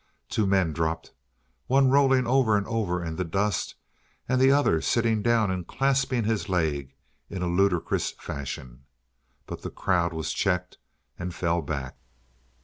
Two men dropped, one rolling over and over in the dust, and the other sitting down and clasping his leg in a ludicrous fashion. But the crowd was checked and fell back.